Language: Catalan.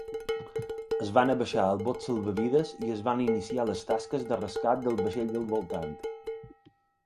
Es van abaixar els bots salvavides i es van iniciar les tasques de rescat dels vaixells del voltant.